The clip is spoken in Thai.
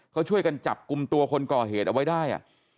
เขาช่วยกันจับกลุ่มตัวคนก่อเหตุเอาไว้ได้